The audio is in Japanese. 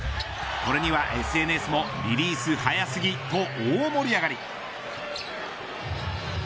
これにはＳＮＳもリリース速過ぎと大盛り上がり。